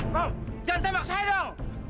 bang jangan tembak saya dong